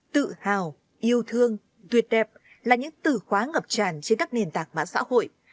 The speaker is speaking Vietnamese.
tự hào yêu thương tuyệt đẹp là những từ khóa ngập tràn trên các nền tạc mã xã hội